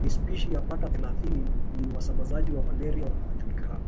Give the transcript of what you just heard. Na spishi yapata thelathini ni wasambazaji wa malaria wanaojulikana